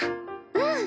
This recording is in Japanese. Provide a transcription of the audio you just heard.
うん。